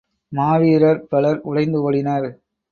மாவீரர் பலர் உடைந்து ஓடினர்.